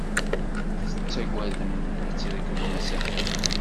Tettagadem ad trekbem asafag.